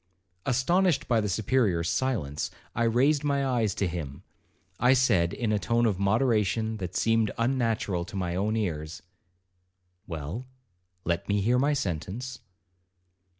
'Astonished by the Superior's silence, I raised my eyes to him. I said, in a tone of moderation that seemed unnatural to my own ears, 'Well, let me hear my sentence.'